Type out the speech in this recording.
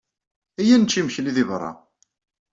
Iyya ad nečč imekli deg beṛṛa.